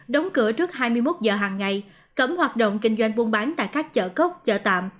đóng cửa trước hai mươi một giờ hàng ngày cấm hoạt động kinh doanh buôn bán tại các chợ cốc chợ tạm